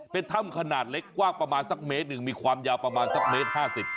เป็นถ้ำขนาดเล็กกว้างประมาณสักเมตรหนึ่งมีความยาวประมาณสักเมตรห้าสิบ